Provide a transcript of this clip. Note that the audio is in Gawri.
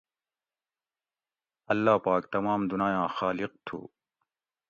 اللّہ پاک تمام دنایاں خالق تھو